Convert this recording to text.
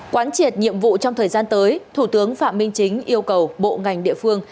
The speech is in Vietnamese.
quán triệt nhiệm vụ trong thời gian tới thủ tướng phạm minh chính yêu cầu bộ ngành địa phương